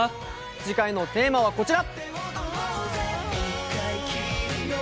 次回のテーマはこちら。